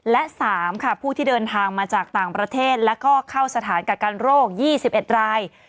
และ๓ค่ะผู้ที่เดินทางมาจากต่างประเทศและก็เข้าสถานกักกันโรค๒๑ราย